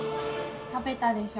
食べたでしょ。